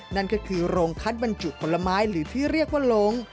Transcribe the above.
นั่นก็คือโรงคัดบรรจุผลไม้หรือที่เรียกว่าลง